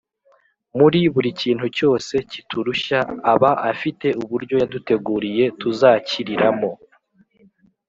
muri buri kintu cyose kiturushya, aba afite uburyo yaduteguriye tuzakiriramo